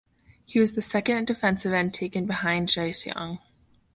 He was the second defensive end taken behind Chase Young.